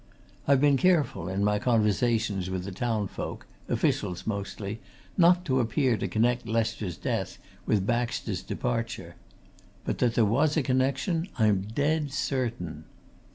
I've been careful, in my conversations with the townfolk officials, mostly not to appear to connect Lester's death with Baxter's departure. But that there was a connection, I'm dead certain.